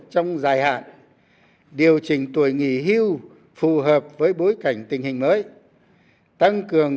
trong dài hạn điều chỉnh tuổi nghỉ hưu phù hợp với bối cảnh tình hình mới tăng cường